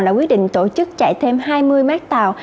là quyết định tổ chức chạy thêm hai mươi mác tàu